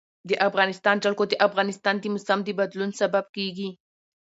د افغانستان جلکو د افغانستان د موسم د بدلون سبب کېږي.